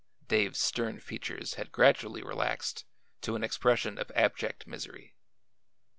Dave's stern features had gradually relaxed to an expression of abject misery.